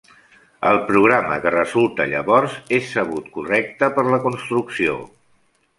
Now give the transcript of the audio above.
El programa que resulta llavors és sabut correcte per la construcció.